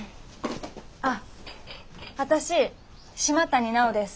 あっ私島谷奈央です。